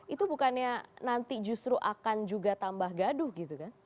itu bukannya nanti justru akan juga tambah gaduh gitu kan